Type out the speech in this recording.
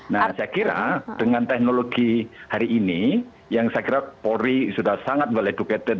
nah saya kira dengan teknologi hari ini yang saya kira polri sudah sangat well educated